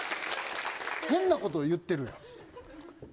変なことを言っている。